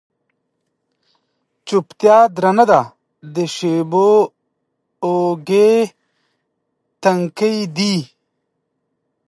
چوپتیا درنه ده د شېبو اوږې، تنکۍ دی